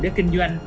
để kinh doanh